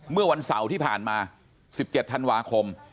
เมื่อวันเสาร์ที่ผ่านมา๑๗ธันวาคม